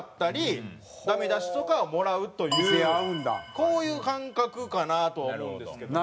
こういう感覚かなとは思うんですけどね。